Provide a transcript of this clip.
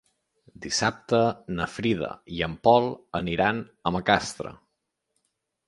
Dissabte na Frida i en Pol aniran a Macastre.